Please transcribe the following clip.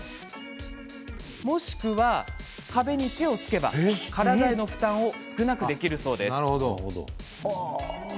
もしくは、壁に手をつけば体への負担を少なくできるそうなんです。